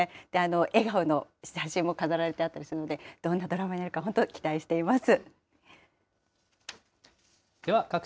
笑顔の写真も飾られてあったりするので、どんなドラマになるか、本当、期待しています。